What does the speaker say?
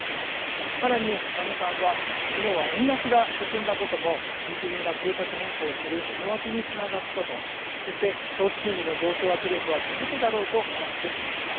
さらに佐野さんは、きのうは円安が進んだことも、日銀が政策変更をする思惑につながったと、そして長期金利の上昇圧力は続くだろうと話していました。